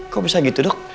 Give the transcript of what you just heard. kok bisa gitu dok